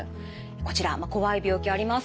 こちら怖い病気あります。